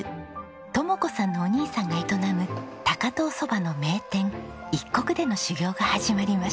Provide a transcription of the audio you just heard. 知子さんのお兄さんが営む高遠そばの名店壱刻での修業が始まりました。